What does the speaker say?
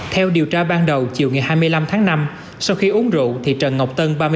theo điều tra ban đầu chiều ngày hai mươi năm tháng năm sau khi uống rượu thì trần ngọc tân